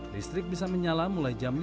listrik bisa menyala mulai dari pulau